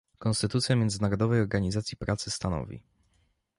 Konstytucja Międzynarodowej Organizacji Pracy stanowi